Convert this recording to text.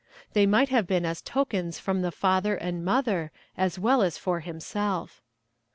They might have been as tokens from the father and mother, as well as for himself.